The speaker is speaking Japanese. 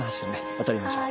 渡りましょう。